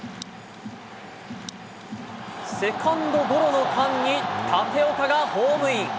セカンドゴロの間に、立岡がホームイン。